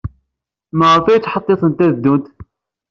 Maɣef ay ttḥettitent ad ddunt?